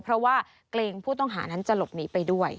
เพราะว่าเกรงผู้ต้องหานั้นจะหลบหนีไปด้วย